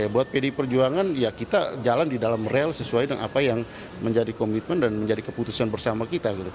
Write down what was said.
buat pdi perjuangan ya kita jalan di dalam rel sesuai dengan apa yang menjadi komitmen dan menjadi keputusan bersama kita